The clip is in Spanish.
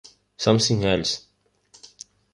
Something Else!